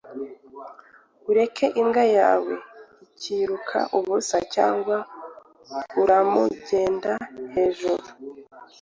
Ureka imbwa yawe ikiruka ubusa cyangwa uramugenda hejuru